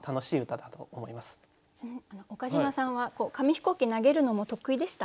岡島さんは紙飛行機投げるのも得意でした？